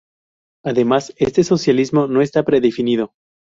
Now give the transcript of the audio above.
Además, este socialismo no está predefinido.